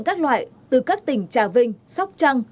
các loại từ các tỉnh trà vinh sóc trăng